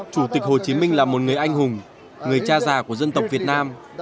chủ tịch hồ chí minh là một người anh hùng người cha già của dân tộc việt nam